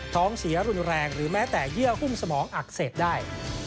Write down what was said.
ท้องเสียรุนแรงหรือแม้แต่เยื่อหุ้มสมองอักเสบได้